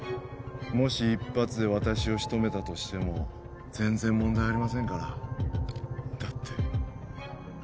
もし一発で私を仕留めたとしても全然問題ありませんからだって